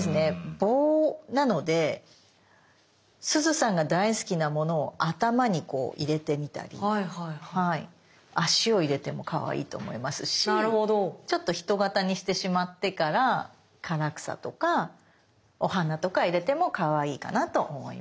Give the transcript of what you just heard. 棒なのですずさんが大好きなものを頭にこう入れてみたり足を入れてもかわいいと思いますしちょっと人形にしてしまってから唐草とかお花とか入れてもかわいいかなと思います。